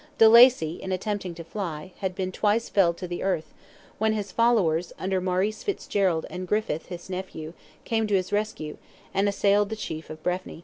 De Lacy, in attempting to fly, had been twice felled to the earth, when his followers, under Maurice Fitzgerald and Griffith, his nephew, came to his rescue, and assailed the chief of Breffni.